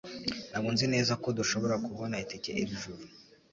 Ntabwo nzi neza ko dushobora kubona itike iri joro.